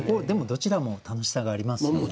でもどちらも楽しさがありますよね。